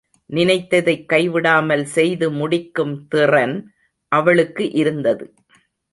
நினைத்ததைக் கைவிடாமல் செய்து முடிக்கும் திறன் அவளுக்கு இருந்தது.